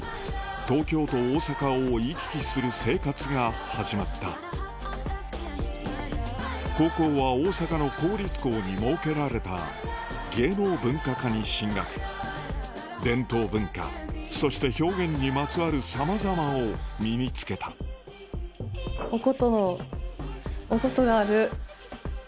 東京と大阪を行き来する生活が始まった高校は大阪の公立校に設けられた芸能文化科に進学伝統文化そして表現にまつわるさまざまを身に付けたお琴。